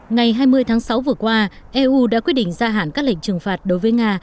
ngày hai mươi tháng sáu vừa qua eu đã quyết định gia hạn các lệnh trừng phạt đối với nga